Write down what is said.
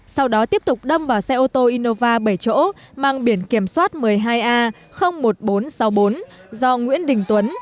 sau đó tiếp tục đâm vào xe ô tô innova bảy chỗ mang biển kiểm soát một mươi hai a một nghìn bốn trăm sáu mươi bốn do nguyễn đình tuấn